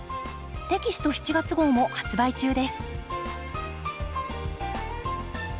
テキスト７月号も発売中です。